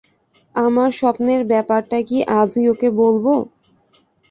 আমার স্বপ্নের ব্যাপারটা কি আজই ওকে বলব?